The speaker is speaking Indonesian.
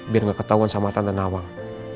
biar gak ketauan sama tante nawang